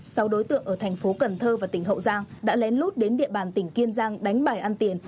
sáu đối tượng ở thành phố cần thơ và tỉnh hậu giang đã lén lút đến địa bàn tỉnh kiên giang đánh bài ăn tiền